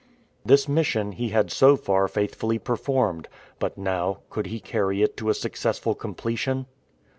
This mission he had so far faithfully performed, but now could he carry it to a successful completion?